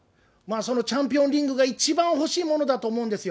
チャンピオンズリーグが一番欲しいものだと思うんですよ。